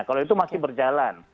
kalau itu masih berjalan